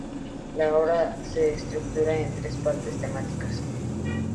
La obra se estructura en tres partes temáticas.